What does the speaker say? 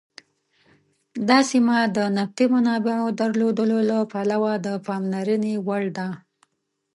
دا سیمه د نفتي منابعو درلودلو له پلوه د پاملرنې وړ ده.